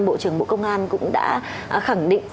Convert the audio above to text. bộ trưởng bộ công an cũng đã khẳng định